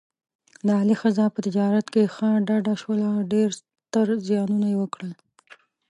د علي ښځه په تجارت کې ښه ډډه شوله، ډېر ستر زیانونه یې وکړل.